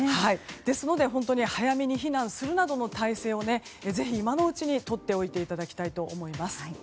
ですので早めに避難するなどの体制をぜひ今のうちに取っておいていただきたいと思います。